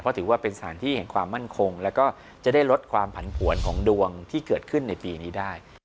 เพราะถือว่าเป็นสถานที่แห่งความมั่นคงแล้วก็จะได้ลดความผันผวนของดวงที่เกิดขึ้นในปีนี้ได้